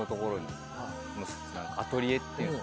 アトリエっていうんすか。